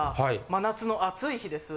真夏の暑い日です。